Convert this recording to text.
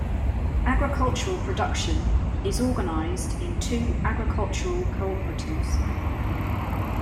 Agricultural production is organised in two agricultural cooperatives.